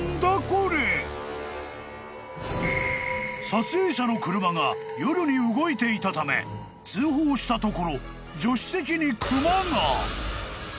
［撮影者の車が夜に動いていたため通報したところ］